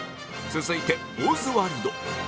続いてオズワルド